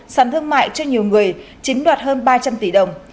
sản thương mại cho nhiều người chiếm đoạt hơn ba trăm linh tỷ đồng